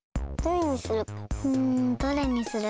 どれにする？